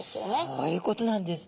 そういうことなんです。